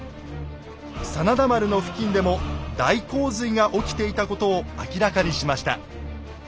真田丸の付近でも大洪水が起きていたことを明らかにしました。